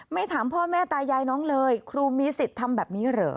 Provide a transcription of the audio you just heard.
ถามพ่อแม่ตายายน้องเลยครูมีสิทธิ์ทำแบบนี้เหรอ